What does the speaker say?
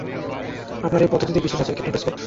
আপনার এই পদ্ধতিতে বিশ্বাস আছে, ক্যাপ্টেন প্রেসকট?